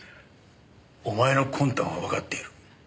お前の魂胆はわかっている。